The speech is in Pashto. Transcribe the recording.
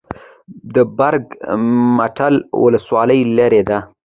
د برګ مټال ولسوالۍ لیرې ده